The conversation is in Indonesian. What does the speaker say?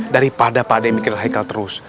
daripada pak ade mikirin haikal terus